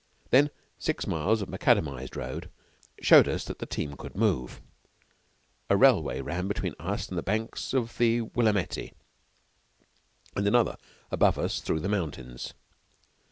Then six miles of macadamized road showed us that the team could move. A railway ran between us and the banks of the Willamette, and another above us through the mountains.